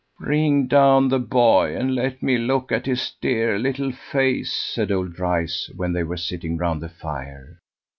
"Bring down the boy, and let me look at his dear little face," said old Dryce, when they were sitting round the fire.